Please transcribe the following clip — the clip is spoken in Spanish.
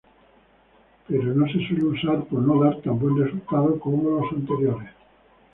Pero no se suele usar por no dar tan buen resultado como los anteriores.